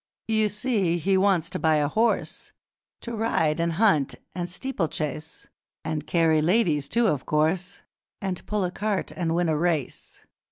'You see, he wants to buy a horse, To ride, and hunt, and steeplechase, And carry ladies, too, of course, And pull a cart and win a race.